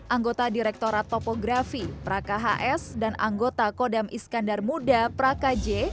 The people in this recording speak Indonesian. anggota direkturat topografi praka hs dan anggota kodam iskandar muda praka j